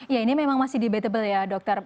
ya ini memang masih debatable ya dokter